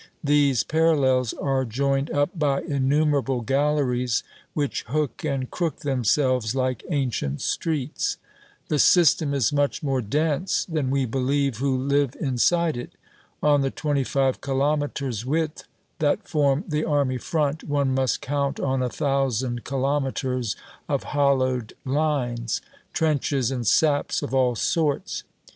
These parallels are joined up by innumerable galleries which hook and crook themselves like ancient streets. The system is much more dense than we believe who live inside it. On the twenty five kilometers' width that form the army front, one must count on a thousand kilometers of hollowed lines trenches and saps of all sorts.